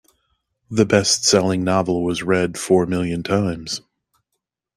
The bestselling novel was read four million times.